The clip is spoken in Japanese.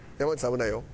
危ないよ。